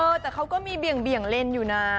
แต่เขาก็มีเบี่ยงเลนอยู่นะ